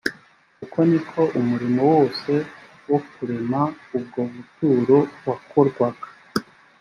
uko ni ko umurimo wose wo kurema ubwo buturo wakorwaga